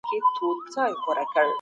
د خلګو سپکاوی د اخلاقو خلاف دی.